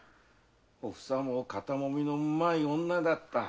おふさも肩もみのうまい女だった。